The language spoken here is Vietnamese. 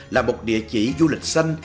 là một địa chỉ du lịch xanh